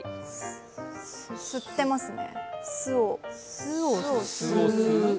「す」を吸ってますね。